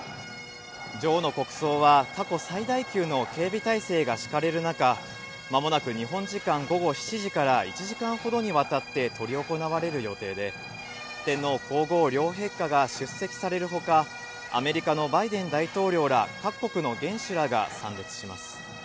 女王の国葬は、過去最大級の警備態勢が敷かれる中、まもなく日本時間午後７時から、１時間ほどにわたって執り行われる予定で、天皇皇后両陛下が出席されるほか、アメリカのバイデン大統領ら各国の元首らが参列します。